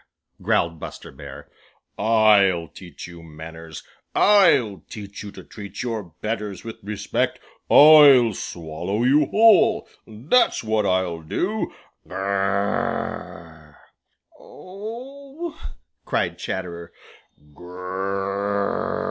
"Gr r r r!" growled Buster Bear. "I'll teach you manners! I'll teach you to treat your betters with respect! I'll swallow you whole, that's what I'll do. Gr r r r!" "Oh!" cried Chatterer.